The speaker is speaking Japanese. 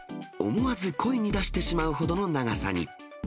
思わず声に出してしまうほどの長さに。